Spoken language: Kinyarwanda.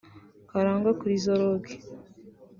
Karangwa Chrysologue